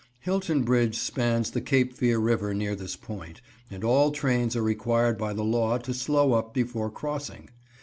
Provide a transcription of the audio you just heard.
Hilton Bridge spans the Cape Fear River near this point, and all trains are required by the law to slow up before crossing.